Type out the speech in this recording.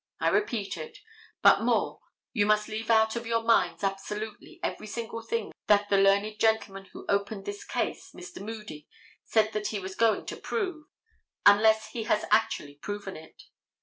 I repeat it; but more, you must leave out of your minds absolutely every single thing that the learned gentleman who opened this case, Mr. Moody, said that he was going to prove, unless he has actually proven it.